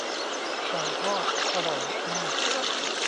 ไก่ทอดอร่อยมาก